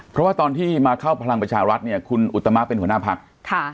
เพราะว่าตอนที่มาเข้าพลังประชารัฐเนี่ยคุณอุตมะเป็นหัวหน้าพักค่ะ